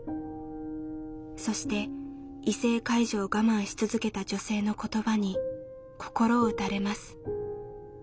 そして異性介助を我慢し続けた女性の言葉に心を打たれます。